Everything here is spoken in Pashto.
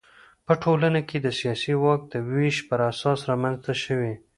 په ټولنه کې د سیاسي واک د وېش پر اساس رامنځته شوي.